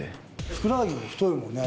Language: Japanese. ふくらはぎも太いもんね